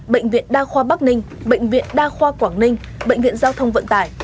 bệnh viện đa khoa bắc ninh bệnh viện đa khoa quảng ninh bệnh viện giao thông vận tải